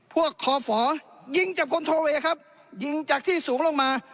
พวกคอฝอยิงจากคนทะเลครับยิงจากที่สูงลงมา